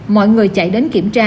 mọi người chạy đến kiểm tra